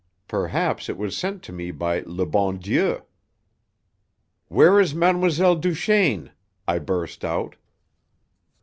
Perhaps it was sent to me by le bon Dieu." "Where is Mlle. Duchaine?" I burst out.